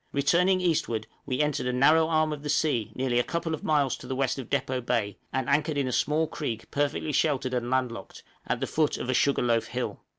Returning eastward, we entered a narrow arm of the sea, nearly a couple of miles to the west of Depôt Bay, and anchored in a small creek perfectly sheltered and land locked, at the foot of a sugarloaf hill.